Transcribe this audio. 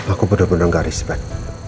aku bener bener gak risipan